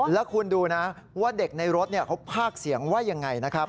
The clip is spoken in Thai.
แล้วคุณดูนะว่าเด็กในรถเขาภาคเสียงว่ายังไงนะครับ